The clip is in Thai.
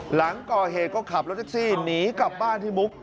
หลังก่อเหตุก็ขับรถแท็กซี่หนีกลับบ้านที่มุก